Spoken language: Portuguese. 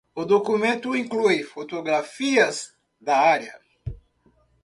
O documento inclui fotografias da área.